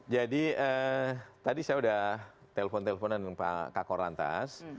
jadi tadi saya udah telpon telponan dengan pak kak kor lantas